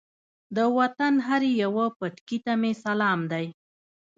د وطن هر یوه پټکي ته مې سلام دی.